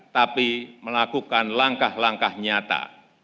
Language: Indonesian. tapi melakukan langkah langkah nyata